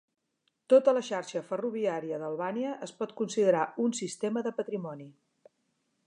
Tota la xarxa ferroviària d'Albània es pot considerar un sistema de patrimoni.